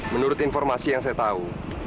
menurut informasi yang saya tahu